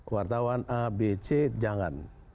wartawan a b c jangan